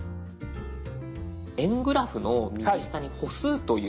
円グラフの右下に「歩数」という。